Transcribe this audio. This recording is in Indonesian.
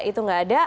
itu nggak ada